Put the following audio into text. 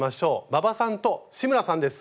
馬場さんと志村さんです。